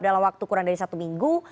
dalam waktu kurang dari satu minggu